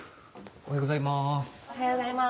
おはようございます。